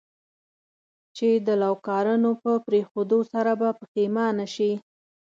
چې د لوکارنو په پرېښودو سره به پښېمانه شې.